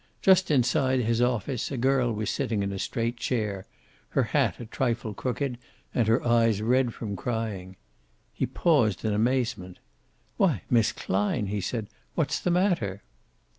Just inside his office a girl was sitting on a straight chair, her hat a trifle crooked, and her eyes red from crying. He paused in amazement. "Why, Miss Klein!" he said. "What's the matter?"